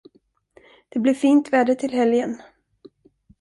Det blir fint väder till helgen.